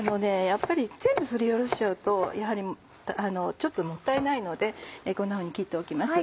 やっぱり全部すりおろしちゃうとやはりちょっともったいないのでこんなふうに切っておきます。